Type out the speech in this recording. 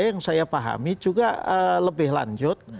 yang saya pahami juga lebih lanjut